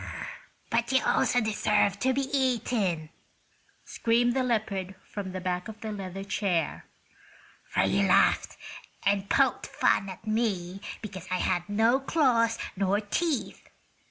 "But you also deserve to be eaten," screamed the leopard from the back of the leather chair; "for you laughed and poked fun at me because I had no claws nor teeth!